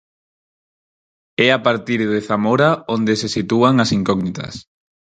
É a partir de Zamora onde se sitúan as incógnitas.